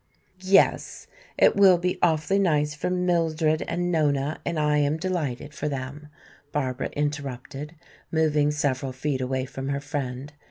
"Yes, it will be awfully nice for Mildred and Nona and I am delighted for them," Barbara interrupted, moving several feet away from her friend.